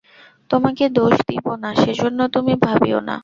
তোমাকে দোষ দিব না, সেজন্য তুমি ভাবিয়ো না।